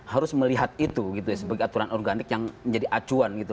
harus melihat itu gitu ya sebagai aturan organik yang menjadi acuan gitu